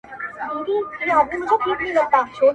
اميد کمزوری پاتې کيږي دلته تل